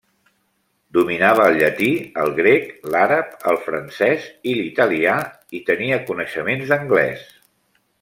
Dominava el llatí, el grec, l'àrab, el francès i l'italià i tenia coneixements d'anglès.